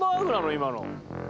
今の。